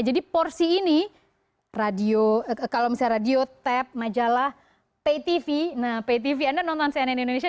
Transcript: jadi porsi ini radio kalau misalnya radio tap majalah pay tv nah pay tv anda nonton cnn indonesia